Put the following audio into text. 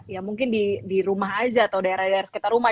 ya mungkin di rumah aja atau di sekitar rumah